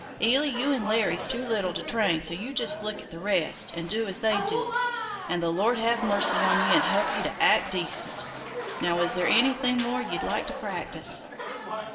Eily, you an' Larry's too little to train, so you just look at the rest, an' do 's they do, an' the Lord have mercy on ye an' help ye to act decent! Now, is there anything more ye'd like to practice?"